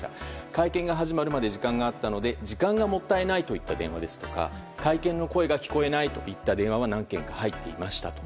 会見が始まるまで時間があったので時間がもったいないという電話ですとか会見の声が聞こえないという電話は何件か入っていましたと。